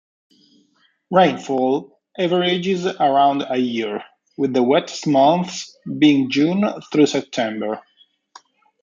Rainfall averages around a year, with the wettest months being June through September.